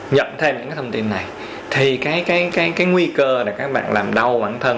nhận thêm những cái thông tin này thì cái nguy cơ là các bạn làm đau bản thân